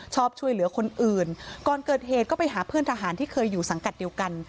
ชอบช่วยเหลือคนอื่นก่อนเกิดเหตุก็ไปหาเพื่อนทหารที่เคยอยู่สังกัดเดียวกัน